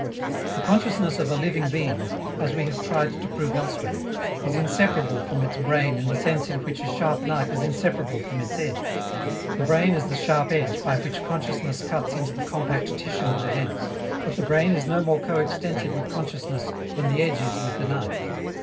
The consciousness of a living being, as we have tried to prove elsewhere, is inseparable from its brain in the sense in which a sharp knife is inseparable from its edge: the brain is the sharp edge by which consciousness cuts into the compact tissue of events, but the brain is no more coextensive with consciousness than the edge is with the knife.